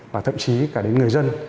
và thậm chí cả đến người dân